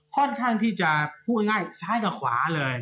พอดทางจะพูดง่ายธรรมนี้ต้องข้้าทางในะ